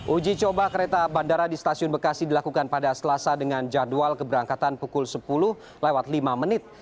uji coba kereta bandara di stasiun bekasi dilakukan pada selasa dengan jadwal keberangkatan pukul sepuluh lewat lima menit